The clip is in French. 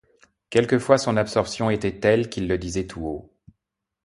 Quelquefois son absorption était telle qu’il le disait tout haut.